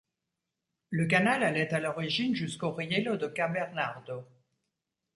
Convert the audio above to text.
Le canal allait à l'origine jusqu'au rielo de Ca'Bernardo.